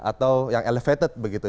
atau yang elevated begitu